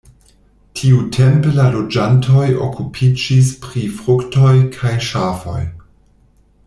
Tiutempe la loĝantoj okupiĝis pri fruktoj kaj ŝafoj.